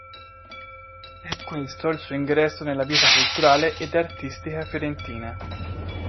È questo il suo ingresso nella vita culturale ed artistica fiorentina.